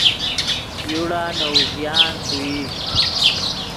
یوڑا نے اوزیان ݰوئی